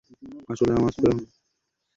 আসলে, আমার চোখ কিছু দূর্বল হয়ে গেছে।